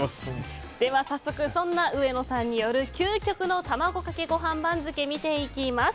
早速、そんな上野さんによる究極の卵かけご飯番付を見ていきます。